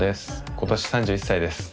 今年３１歳です。